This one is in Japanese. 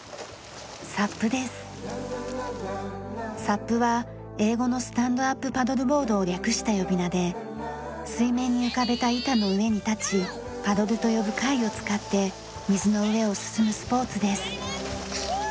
サップは英語のスタンドアップパドルボードを略した呼び名で水面に浮かべた板の上に立ちパドルと呼ぶ櫂を使って水の上を進むスポーツです。